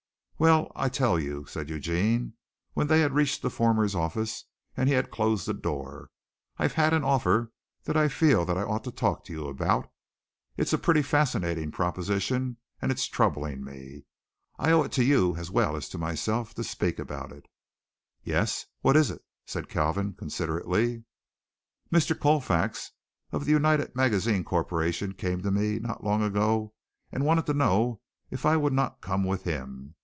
"Well, I'll tell you," said Eugene, when they had reached the former's office and he had closed the door. "I've had an offer that I feel that I ought to talk to you about. It's a pretty fascinating proposition and it's troubling me. I owe it to you as well as to myself to speak about it." "Yes; what is it?" said Kalvin considerately. "Mr. Colfax of the United Magazines Corporation came to me not long ago and wanted to know if I would not come with him.